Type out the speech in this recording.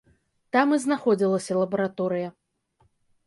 Там і знаходзілася лабараторыя.